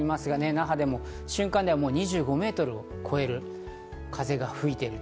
那覇でも瞬間では２５メートルを超える風が吹いている。